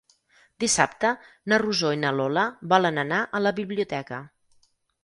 Dissabte na Rosó i na Lola volen anar a la biblioteca.